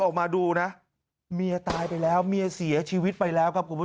ออกมาดูนะเมียตายไปแล้วเมียเสียชีวิตไปแล้วครับคุณผู้ชม